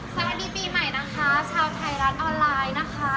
สวัสดีปีใหม่นะคะชาวไทยรัฐออนไลน์นะคะ